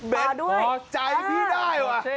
เบนต์โอ้ใจพี่ได้ว่ะ